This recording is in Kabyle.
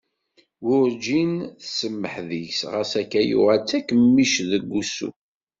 Werǧin tsemmeḥ deg-s ɣas akka yuɣal d takemmict deg wussu.